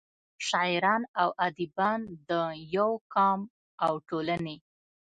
شاعران او اديبان دَيو قام او ټولنې